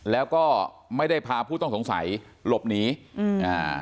แล้วก็ไม่ได้พาผู้ต้องสงสัยหลบหนีอืมอ่า